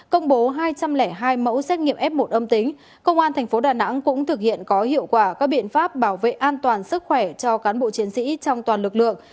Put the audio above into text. công bố hai trăm linh hai mẫu xét nghiệm f một âm tính công an thành phố đà nẵng cũng thực hiện có hiệu quả các biện pháp bảo vệ an toàn sức khỏe cho cán bộ chiến sĩ trong toàn lực lượng